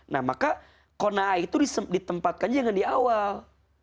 nah maka kona'ah itu ditempatkan jangan di awal